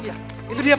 iya itu dia pak